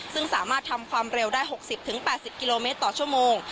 ซึ่งสามารถทำความเร็วได้หกสิบถึงแปดสิบกิโลเมตรต่อชั่วโมง